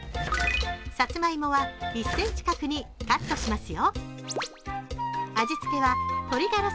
さつまいもは１ｃｍ角にカットしますよ。